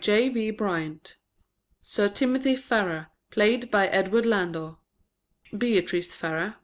J. V. BRYANT Sir Timothy Farrar .. EDWARD LANDOR Beatrice Farrar